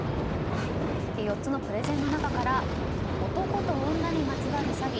４つのプレゼンの中から男と女にまつわる詐欺